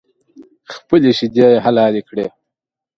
خپلې شیدې یې حلالې کړې